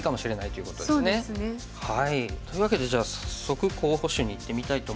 そうですね。というわけでじゃあ早速候補手にいってみたいと思います。